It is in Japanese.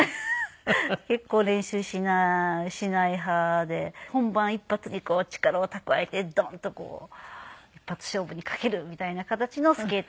結構練習しない派で本番一発に力を蓄えてドンとこう一発勝負に懸けるみたいな形のスケーターでした。